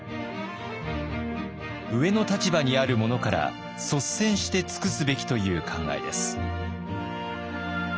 上の立場にある者から率先して尽くすべきという考えです。